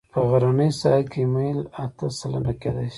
په غرنۍ ساحه کې میل اته سلنه کیدی شي